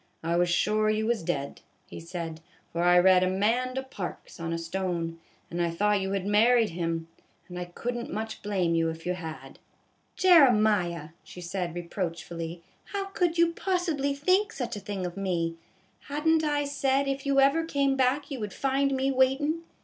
"I was sure you was dead," he said, " for I read Amanda Parks on a stone, and I thought you had married him ; and I could n't much blame you if you had." " Jeremiah," she said, reproachfully, " how could you possibly think such a thing of me ? Had n't I said if you ever came back you would find me waitin